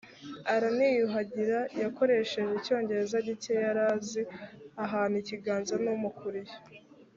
araniyuhagira yakoresheje icyongereza gike yari azi ahana ikiganza n umukuriye